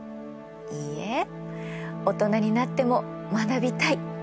いいえ大人になっても学びたい。